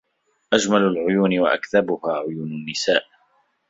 أجمل العيون وأكذبها عيون النساء.